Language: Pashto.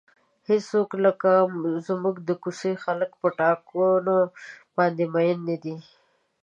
هیڅوک لکه زموږ د کوڅې خلک په ټاکنو باندې مین نه دي.